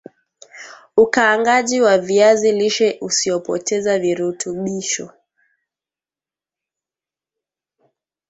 Ukaangaji wa viazi lishe usiopoteza virutubisho